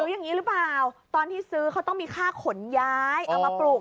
อย่างนี้หรือเปล่าตอนที่ซื้อเขาต้องมีค่าขนย้ายเอามาปลูก